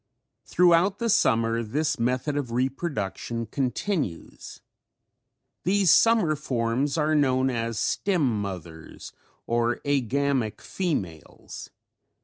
Throughout the summer this method of reproduction continues. These summer forms are known as the stem mothers or agamic females.